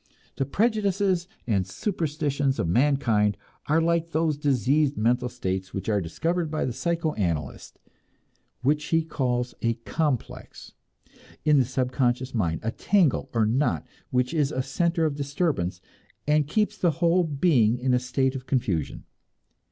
The prejudices and superstitions of mankind are like those diseased mental states which are discovered by the psychoanalyst; what he calls a "complex" in the subconscious mind, a tangle or knot which is a center of disturbance, and keeps the whole being in a state of confusion.